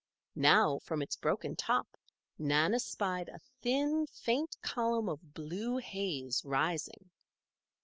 Now, from its broken top, Nan espied a thin, faint column of blue haze rising.